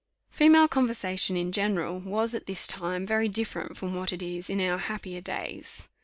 Female conversation in general was, at this time, very different from what it is in our happier days.